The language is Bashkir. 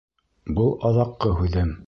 Был аҙаҡҡы һүҙем.